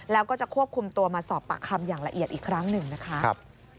แล้วก็จะควบคุมตัวมาสอบปากคำอย่างละเอียดอีกครั้งหนึ่งนะคะ